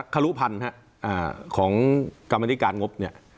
ครุพันธ์ของกรรมนิการงบเนี่ย